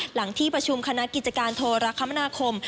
หลังที่ประชุมคณะกิจการโทรคมนาคม